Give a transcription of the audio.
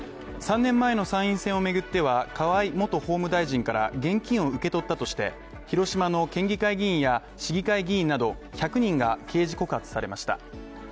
３年前の参院選を巡っては河井元法務大臣から現金を受け取ったとして、広島の県議会議員や市議会議員など１００人が刑事告発されました。